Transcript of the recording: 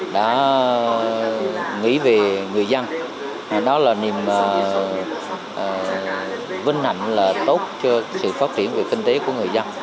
đó là niềm vinh hạnh tốt cho sự phát triển về kinh tế của người dân